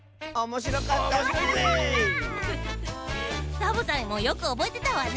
サボさんもよくおぼえてたわね。